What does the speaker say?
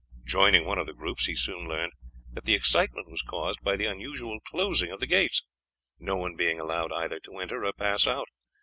Joining one of the groups he soon learned that the excitement was caused by the unusual closing of the gates, no one being allowed either to enter or pass out.